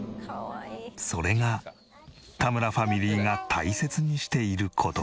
それが田村ファミリーが大切にしている事。